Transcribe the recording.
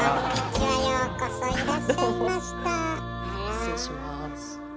失礼します。